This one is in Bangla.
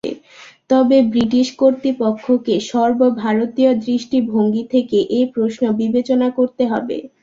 তবে ব্রিটিশ কর্তৃপক্ষকে সর্বভারতীয় দৃষ্টিভঙ্গি থেকে এ প্রশ্ন বিবেচনা করতে হবে।